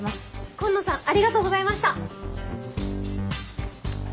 紺野さんありがとうございました！